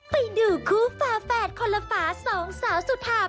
ไปดูคู่ฝาแฝดคนละฝาสองสาวสุภาพ